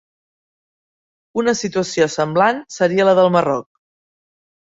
Una situació semblant seria la del Marroc.